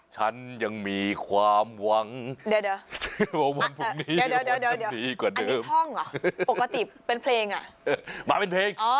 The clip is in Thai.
ฉันยังมีความหวังเดี๋ยวอันนี้ท่องเหรอปกติเป็นเพลงอ่ะมาเป็นเพลง